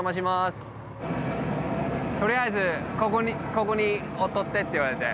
とりあえずここにおっとってって言われて。